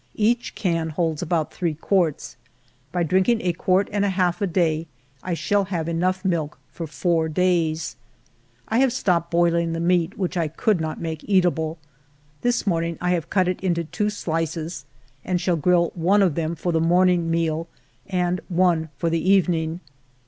Each can holds about three quarts ; by drinking a quart and a half a day, I shall have enough milk for four days. I have stopped boiling the meat, which I could not make eatable. This morning I have cut it into two slices, and shall grill one of them for the morning meal and one for the evening.